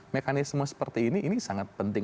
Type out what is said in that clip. mekanisme seperti ini ini sangat penting